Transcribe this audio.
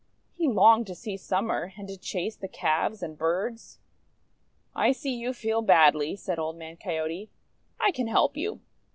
He longed to see Summer, and to chase the calves and birds. "I see you feel badly," said Old Man Coyote. "I can help you.